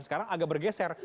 sekarang agak bergeser